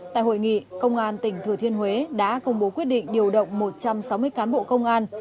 tại hội nghị công an tỉnh thừa thiên huế đã công bố quyết định điều động một trăm sáu mươi cán bộ công an